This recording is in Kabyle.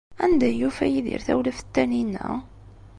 Anda ay yufa Yidir tawlaft n Taninna?